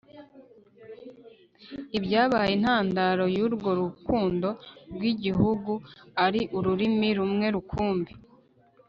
ibyabaye intandaro y'urwo rukundo rw'igihugu, ari ururimi rumwe rukumbi